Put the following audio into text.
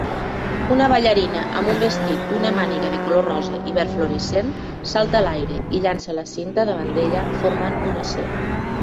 Una ballarina, amb un vestit d"una màniga de color rosa i verd florescent, salta a l"aire i llança la cinta davant d"ella formant una c.